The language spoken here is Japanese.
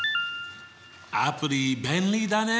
アプリ便利だね。